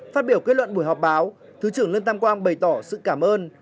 phát biểu kết luận buổi họp báo thứ trưởng lương tam quang bày tỏ sự cảm ơn